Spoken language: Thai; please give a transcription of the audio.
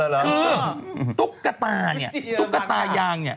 คือตุ๊กกระตาเนี่ยตุ๊กกระตายาง